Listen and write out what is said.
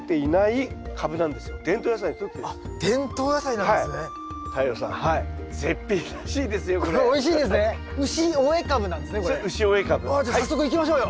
ああじゃあ早速行きましょうよ。